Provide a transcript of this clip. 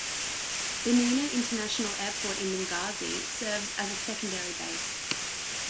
Benina International Airport in Benghazi serves as a secondary base.